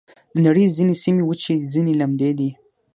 د نړۍ ځینې سیمې وچې، ځینې لمدې دي.